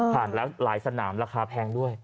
ผ่านแล้วหลายสนามราคาแพงด้วย